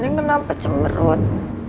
neng kenapa cemerut